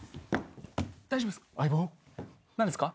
大丈夫ですか？